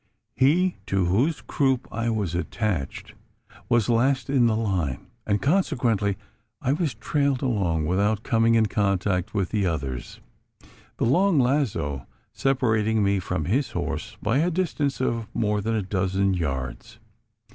He to whose croup I was attached was last in the line; and, consequently, I was trailed along without coming in contact with the others the long lazo separating me from his horse by a distance of more than a dozen yards.